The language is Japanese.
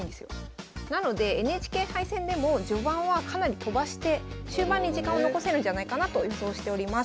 なのでＮＨＫ杯戦でも序盤はかなりとばして終盤に時間を残せるんじゃないかなと予想しております。